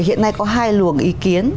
hiện nay có hai luồng ý kiến